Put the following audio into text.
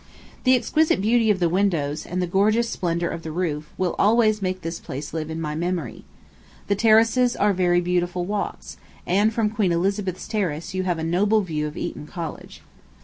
The exquisite beauty of the windows, and the gorgeous splendor of the roof, will always make this place live in my memory. The terraces are very beautiful walks; and from Queen Elizabeth's terrace you have a noble view of Eton College.